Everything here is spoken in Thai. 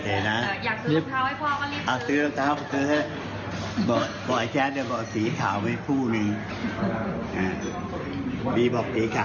ถ้าไม่มีสีขาวเอาอะไรก็ได้ไม่ต้องอันนี้ก็ได้นะ